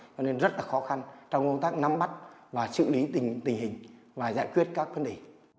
cho nên rất là khó khăn trong công tác nắm bắt và xử lý tình hình và giải quyết các vấn đề